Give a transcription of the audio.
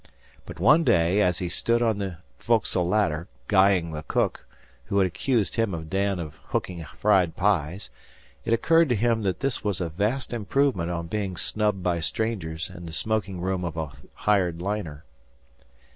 But one day, as he stood on the foc'sle ladder, guying the cook, who had accused him and Dan of hooking fried pies, it occurred to him that this was a vast improvement on being snubbed by strangers in the smoking room of a hired liner.